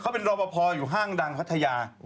เขาเป็นรอปภอยู่ห้างดังพัทยา